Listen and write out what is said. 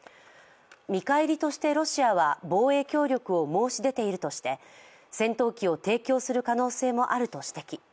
見返りとしてロシアは防衛協力を申し出ているとして、戦闘機を提供する可能性もあると指摘。